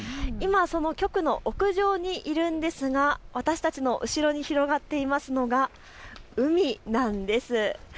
今、局の屋上にいるんですが私たちの後ろに広がっていますのが海なんです。